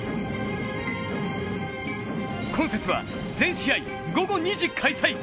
今節は全試合、午後２時開催。